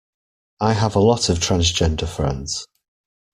I have a lot of transgender friends